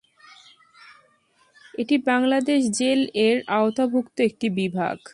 এটি বাংলাদেশ জেল-এর আওতাভুক্ত একটি বিভাগ।